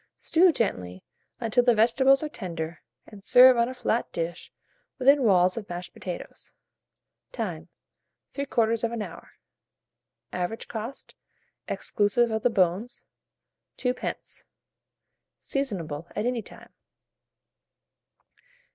Stew gently, until the vegetables are tender, and serve on a flat dish within walls of mashed potatoes. Time. 3/4 hour. Average cost, exclusive of the bones, 2d. Seasonable at any time.